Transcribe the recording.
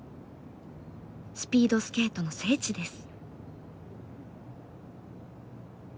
スピードスケートの聖地です。